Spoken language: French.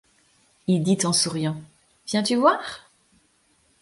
Il dit en souriant :— Viens-tu voir ?